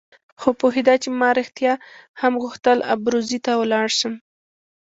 خو پوهېده چې ما رښتیا هم غوښتل ابروزي ته ولاړ شم.